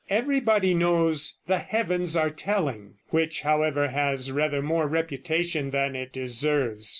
Everybody knows "The Heavens are Telling," which, however, has rather more reputation than it deserves.